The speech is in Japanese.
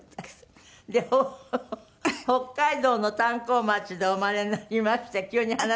で北海道の炭鉱町でお生まれになりまして急に話が。